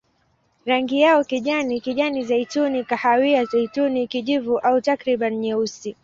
Rangi yao kijani, kijani-zeituni, kahawia-zeituni, kijivu au takriban nyeusi.